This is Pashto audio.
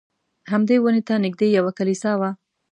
همدې ونې ته نږدې یوه کلیسا وه.